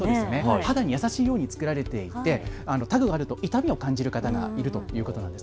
肌に優しいように作られていてタグがあると痛みを感じる方がいるということなんです。